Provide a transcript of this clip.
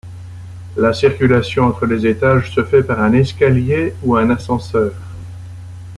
La circulation entre les étages se fait par un escalier ou un ascenseur.